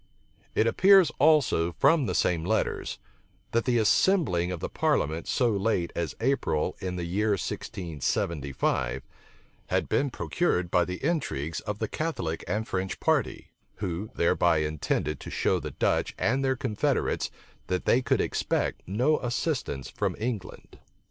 It appears also from the same letters, that the assembling of the parliament so late as April in the year 1675, had been procured by the intrigues of the Catholic and French party, who thereby intended to show the Dutch and their confederates that they could expect no assistance from England.